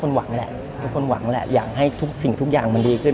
ผมหวังปฏิหารไหมทุกคนหวังแหละอยากให้สิ่งทุกอย่างมันดีขึ้น